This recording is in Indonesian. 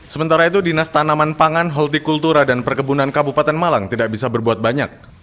sementara itu dinas tanaman pangan holti kultura dan perkebunan kabupaten malang tidak bisa berbuat banyak